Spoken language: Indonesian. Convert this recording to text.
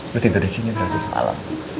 gue tidur disini berarti semalam